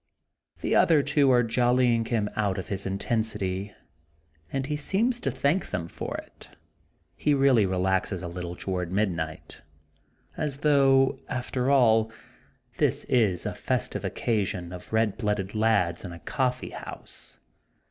The other two are jollying him out of his intensity and he seems to thank them for it. He really relaxes a little toward midnight, as though, after all, this is a festive occasion of red blooded lads in a coffee house.